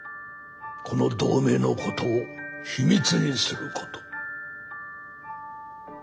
この同盟のことを秘密にすること。